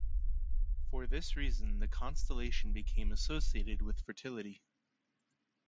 For this reason the constellation became associated with fertility.